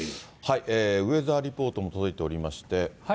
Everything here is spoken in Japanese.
ウェザーリポートも届いておりまして。